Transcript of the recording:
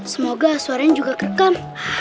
semoga suaranya juga kerekam